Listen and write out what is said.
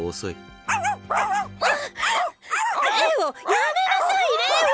やめなさいレオ！